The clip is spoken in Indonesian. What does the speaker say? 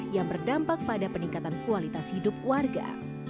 yang berdampak pada peningkatan kualitas hidup warga